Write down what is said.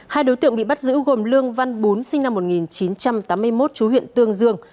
hai đối tượng bị bắt giữ gồm lương văn bún sinh năm một nghìn chín trăm tám mươi một chú huyện tương dương